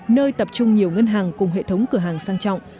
nơi tập trung nhiều ngân hàng cùng hệ thống cửa hàng sang trọng